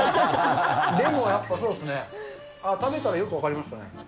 でもやっぱり、そうですね、食べたらよく分かりましたね。